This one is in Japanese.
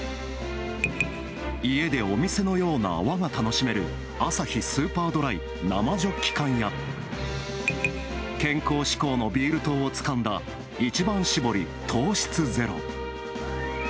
家でお店のような泡が楽しめるアサヒスーパードライ生ジョッキ缶や健康志向のビール党をつかんだ一番搾り糖質ゼロ。